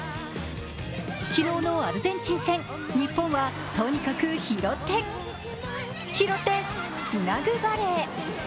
昨日のアルゼンチン戦、日本はとにかく拾って、拾ってつなぐバレー。